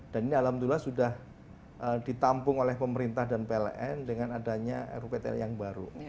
dan ini alhamdulillah sudah ditampung oleh pemerintah dan pln dengan adanya ruiptl yang baru